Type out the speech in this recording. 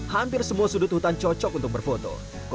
hampir semua sudut hutan cocok untuk berfoto